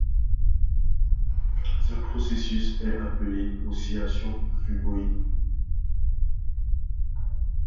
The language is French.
Ce processus est appelé oscillation phugoïde.